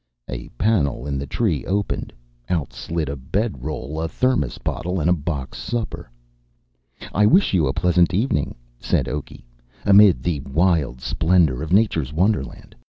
A panel in the tree opened. Out slid a bedroll, a Thermos bottle, and a box supper. "I wish you a pleasant evening," said Oaky, "amid the wild splendor of nature's wonderland.